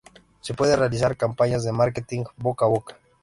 Se pueden realizar campañas de marketing boca a boca.